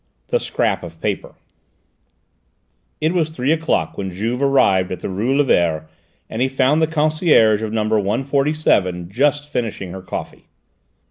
THE SCRAP OF PAPER It was three o'clock when Juve arrived at the rue Lévert, and he found the concierge of number 147 just finishing her coffee.